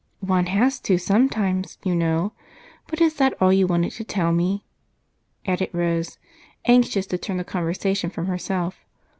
"One has to sometimes, you know. But is that all you wanted to tell me?" added Rose, anxious to turn the conversation from herself.